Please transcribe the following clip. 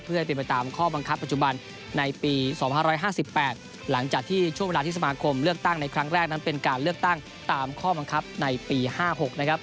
เพื่อให้เป็นไปตามข้อบังคับปัจจุบันในปี๒๕๕๘หลังจากที่ช่วงเวลาที่สมาคมเลือกตั้งในครั้งแรกนั้นเป็นการเลือกตั้งตามข้อบังคับในปี๕๖นะครับ